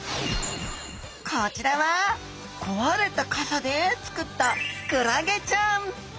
こちらは壊れた傘で作ったクラゲちゃん！